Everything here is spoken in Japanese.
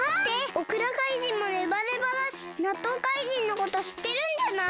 オクラかいじんもネバネバだしなっとうかいじんのことしってるんじゃない？